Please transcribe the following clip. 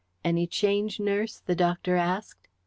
"Any change, nurse?" the doctor asked.